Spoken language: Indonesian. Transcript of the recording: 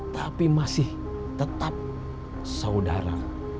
tapi masih tetap saudara